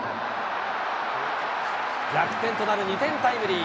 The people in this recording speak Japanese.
逆転となる２点タイムリー。